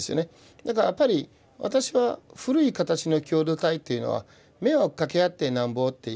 だからやっぱり私は古い形の共同体っていうのは迷惑かけ合ってなんぼっていう。